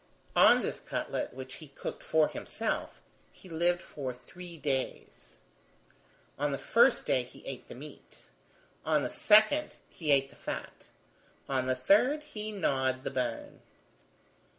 On this cutlet, which he cooked for himself, he lived for three days. On the first day he ate the meat, on the second he ate the fat, on the third he gnawed the bone.